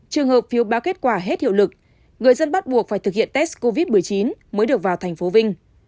trường hợp phiếu báo kết quả hết hiệu lực người dân bắt buộc phải thực hiện test covid một mươi chín mới được vào thành phố vinh